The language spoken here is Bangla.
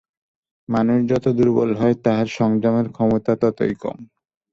মানুষ যত দুর্বল হয়, তাহার সংযমের ক্ষমতা ততই কম।